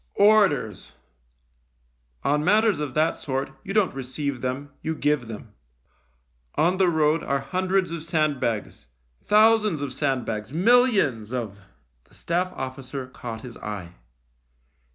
" Orders ! On matters of that sort you don't receive them ; you give them. On the road are hundreds of sandbags, thousands of sandbags, millions of " The Staff officer caught his eye.